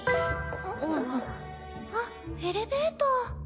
ピロンあっエレベーター。